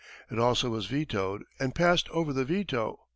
It also was vetoed, and passed over the veto.